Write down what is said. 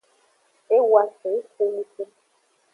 E woafen yi xonuxu.